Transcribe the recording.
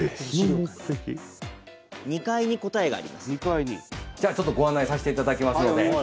本当にじゃあちょっとご案内させていただきますので。